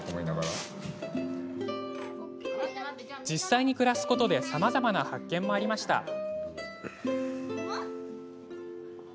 実際に暮らすことでさまざまな発見もありました。